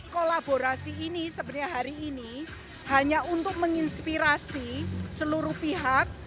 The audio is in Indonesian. kolaborasi ini sebenarnya hari ini hanya untuk menginspirasi seluruh pihak